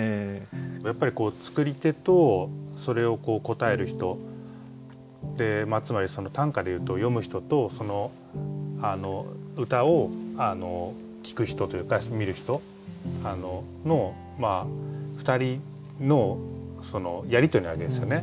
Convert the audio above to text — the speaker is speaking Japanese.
やっぱり作り手とそれを答える人ってつまり短歌で言うと詠む人とその歌を聞く人というか見る人の２人のやり取りなわけですよね。